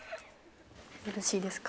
よろしいですか？